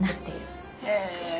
へえ。